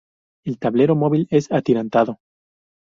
El tablero móvil es atirantado.